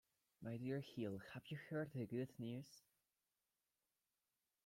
My dear Hill, have you heard the good news?